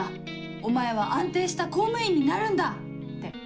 お前は安定した公務員になるんだ」って。